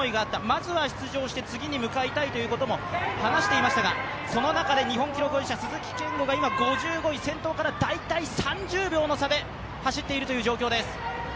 まずは出場して次に向かいたいということも話していましたが、その中で日本記録保持者、鈴木健吾が５５位先頭から大体３０秒の差で走っているという状況です。